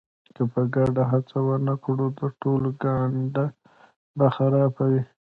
که په ګډه هڅه ونه کړو د ټولو ګانده به خرابه وي.